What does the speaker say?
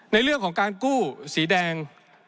ในเรื่องของการกู้สีแดง